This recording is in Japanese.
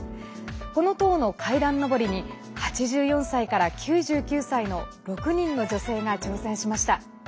この塔の階段上りに８４歳から９９歳の６人の女性が挑戦しました。